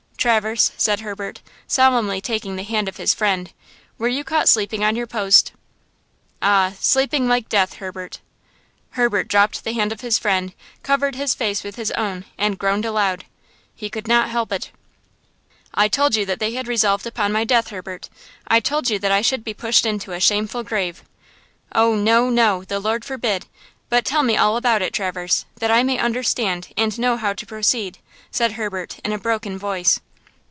"Traverse," said Herbert, solemnly taking the hand of his friend, "were you caught sleeping on your post?" "Ah, sleeping like death, Herbert." Herbert dropped the hand of his friend, covered his face with his own, and groaned aloud, "He could not help it!" "I told you that they had resolved upon my death, Herbert. I told you that I should be pushed into a shameful grave!" "Oh, no, no, the Lord forbid! But tell me all about it, Traverse, that I may understand and know how to proceed," said Herbert, in a broken voice.